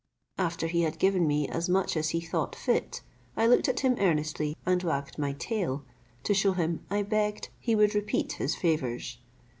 After he had given me as much as he thought fit, I looked at him earnestly, and wagged my tail, to shew him I begged he would repeat his favours.